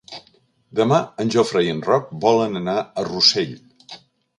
Demà en Jofre i en Roc volen anar a Rossell.